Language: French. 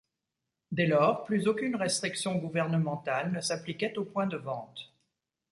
Dès lors, plus aucune restriction gouvernementale ne s'appliquait aux points de vente.